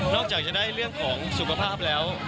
จากจะได้เรื่องของสุขภาพแล้ว